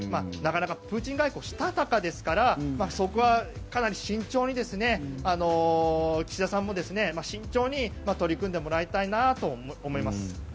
なかなかプーチン外交したたかですからそこはかなり慎重に岸田さんも慎重に取り組んでもらいたいなと思います。